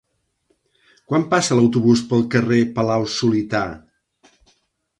Quan passa l'autobús pel carrer Palau-solità?